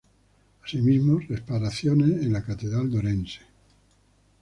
Asimismo, reparaciones en la Catedral de Orense.